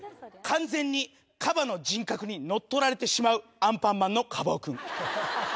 完全にカバの人格に乗っ取られてしまう『アンパンマン』のカバ